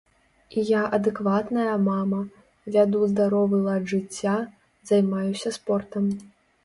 І я адэкватная мама, вяду здаровы лад жыцця, займаюся спортам.